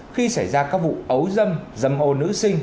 khi xảy ra các vụ ấu dâm dầm ô nữ sinh